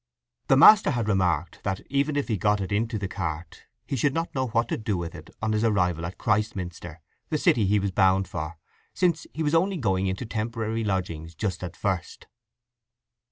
The master had remarked that even if he got it into the cart he should not know what to do with it on his arrival at Christminster, the city he was bound for, since he was only going into temporary lodgings just at first.